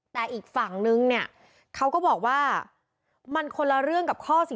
แต่อีกฝั่งนึงเนี่ยเขาก็บอกว่ามันคนละเรื่องกับข้อ๑๔